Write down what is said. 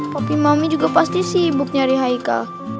kopi mami juga pasti sibuk nyari haika